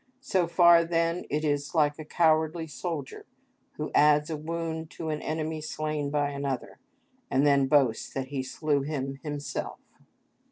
So far then it is like a cowardly soldier, who adds a wound to an enemy slain by another, and then boasts that he slew him himself.